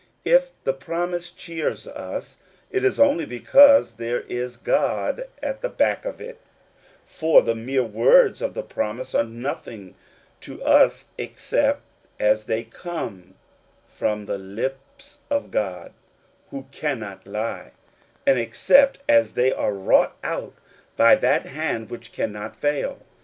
If the promise cheers us, it is only because there is God at the back of it ; for the mere words of the promise are nothing to us except as they come from the lips of God who cannot lie, and except as they are wrought out by that hand which cannot fail.